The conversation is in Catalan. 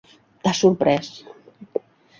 T'has sorprès.